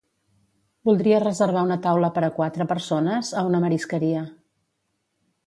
Voldria reservar una taula per a quatre persones a una marisqueria.